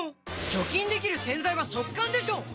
除菌できる洗剤は速乾でしょ！